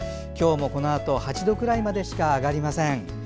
今日もこのあと８度くらいまでしか上がりません。